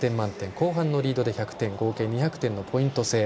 後半のリードで１００点、合計２００点のポイント制。